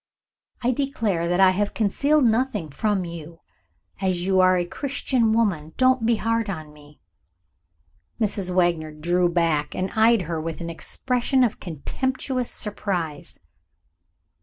I declare that I have concealed nothing from you. As you are a Christian woman, don't be hard on me!" Mrs. Wagner drew back, and eyed her with an expression of contemptuous surprise.